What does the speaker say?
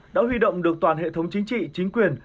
đã huy động được toàn hệ thống chính trị chính quyền